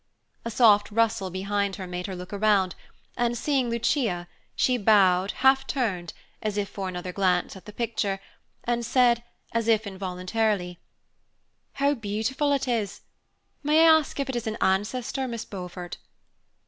A soft rustle behind her made her look around, and, seeing Lucia, she bowed, half turned, as if for another glance at the picture, and said, as if involuntarily, "How beautiful it is! May I ask if it is an ancestor, Miss Beaufort?"